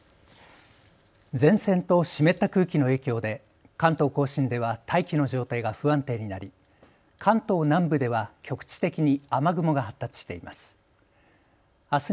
前線と湿った空気の影響で関東甲信では大気の状態が不安定になり、関東南部では局地的に雨雲が発達しています。